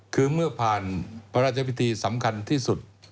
คือเมื่อผ่านพระราชพิธีสำคัญที่สุด